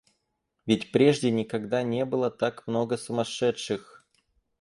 — Ведь прежде никогда не было так много сумасшедших!